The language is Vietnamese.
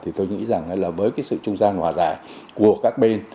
thì tôi nghĩ rằng là với cái sự trung gian hòa giải của các bên